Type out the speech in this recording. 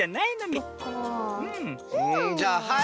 じゃあはい！